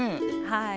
はい。